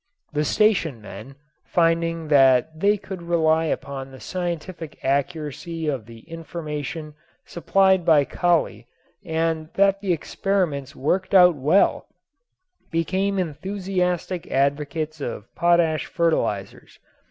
The station men, finding that they could rely upon the scientific accuracy of the information supplied by Kali and that the experiments worked out well, became enthusiastic advocates of potash fertilizers.